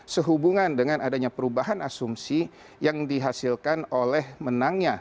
sehubungan dengan adanya perubahan asumsi yang dihasilkan oleh menangnya